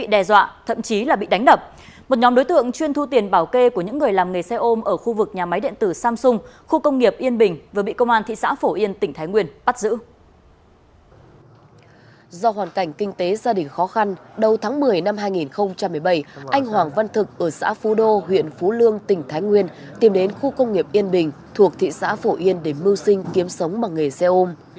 do hoàn cảnh kinh tế gia đình khó khăn đầu tháng một mươi năm hai nghìn một mươi bảy anh hoàng văn thực ở xã phú đô huyện phú lương tỉnh thái nguyên tìm đến khu công nghiệp yên bình thuộc thị xã phổ yên để mưu sinh kiếm sống bằng nghề xe ôm